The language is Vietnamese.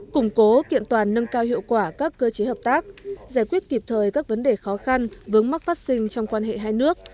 củng cố kiện toàn nâng cao hiệu quả các cơ chế hợp tác giải quyết kịp thời các vấn đề khó khăn vướng mắc phát sinh trong quan hệ hai nước